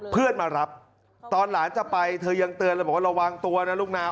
เพื่อนมารับตอนหลานจะไปเธอยังเตือนเลยบอกว่าระวังตัวนะลูกนาว